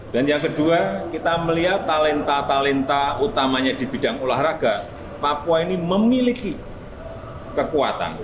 dan yang kedua kita melihat talenta talenta utamanya di bidang olahraga papua ini memiliki kekuatan